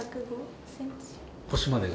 腰までが？